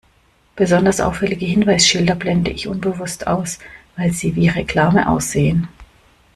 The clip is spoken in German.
Besonders auffällige Hinweisschilder blende ich unbewusst aus, weil sie wie Reklame aussehen.